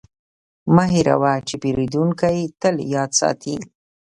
مه هېروه چې پیرودونکی تل یاد ساتي.